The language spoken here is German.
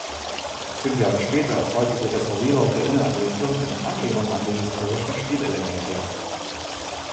Fünf Jahre später erfolgte die Restaurierung der Inneneinrichtung in Anlehnung an die historischen Stilelemente.